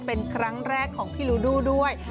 เป็นครั้งแรกของพี่ลูดูด้วย